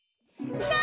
みんな。